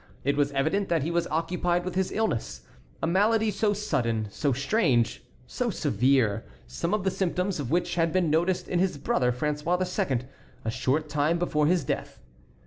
It was evident that he was occupied with his illness; a malady so sudden, so strange, so severe, some of the symptoms of which had been noticed in his brother François II. a short time before his death.